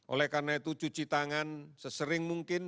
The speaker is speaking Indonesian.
oleh karena itu cuci tangan sesering mungkin